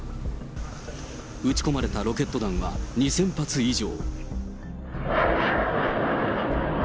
打ち込まれたロケット弾は２０００発以上。